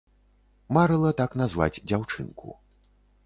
Марыла так назваць дзяўчынку.